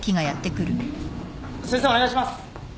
先生お願いします。